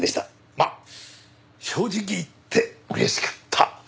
まあ正直言って嬉しかった。